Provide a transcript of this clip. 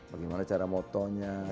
bagaimana cara motonya